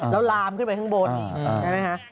แล้วลามขึ้นไปข้างบนใช่ไหมคะ